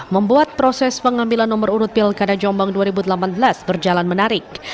membuat proses pengambilan nomor urut pilkada jombang dua ribu delapan belas berjalan menarik